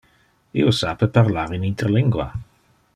Io sape parlar in interlingua.